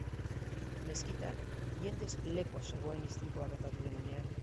Meskita jendez lepo zegoen istripua gertatu den unean.